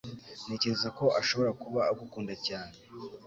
Ntekereza ko ashobora kuba agukunda cyane.